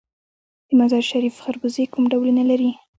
د مزار شریف خربوزې کوم ډولونه لري؟